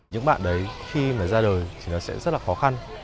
những bạn đấy khi mà ra đời thì nó sẽ rất là khó khăn